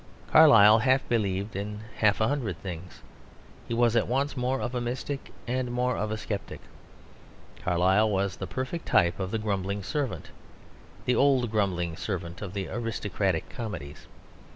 Carlyle half believed in half a hundred things; he was at once more of a mystic and more of a sceptic. Carlyle was the perfect type of the grumbling servant; the old grumbling servant of the aristocratic comedies.